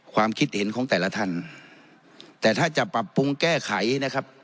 ความคิดเห็นของแต่ละท่านแต่ถ้าจะปรับปรุงแก้ไขนะครับ